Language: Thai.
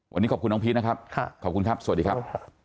วันนี้ขอบคุณน้องพีชนะครับขอบคุณครับสวัสดีครับ